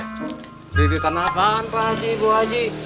keridikan apaan pak haji bu haji